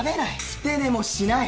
ふて寝もしない！